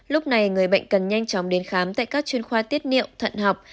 lúc này người bệnh cần nhanh chóng đến khám tại các chuyên khoa tiết niệu thận học